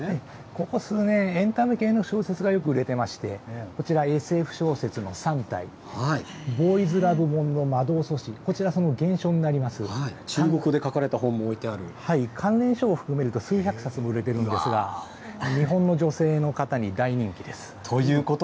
ここ数年、エンタメ系の小説がよく売れていまして、こちら、ＳＦ小説の三体、ボーイズラブもののまどうそし、中国語で書かれた本も置いて関連書を含めると、数百冊も売れているんですが、日本の女性の方に大人気です。